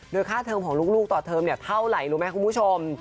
โดยค่าเทอมของลูกต่อเทอมเนี่ยเท่าไหร่รู้ไหมคุณผู้ชม